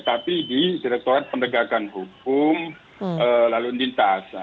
tapi di direkturat pendegakan hukum lalu lintas